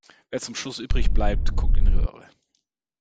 Wer zum Schluss übrig bleibt, guckt in die Röhre.